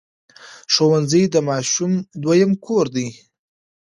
ښوونځی د ماشوم دویم کور دی.